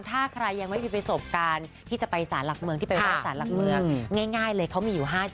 ตรงท่าใครยังไม่ผิดไปสมการที่จะไปศาลหลักเมือง